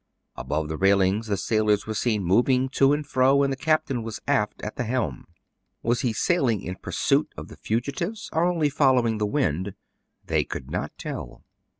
Above the railing the sailors were seen moving to and fro, and the captain was aft at the helm. Was he sailing in pursuit of the fugitives. DOES NOT FINISH WELL FOR CAPT. YIN 227 or only following the wind? They could not tell.